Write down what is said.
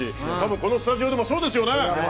このスタジオでもそうですよね。